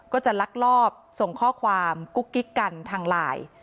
ก็จะลักลอบส่งข้อความกุ๊กกิ๊กกันทางไลน์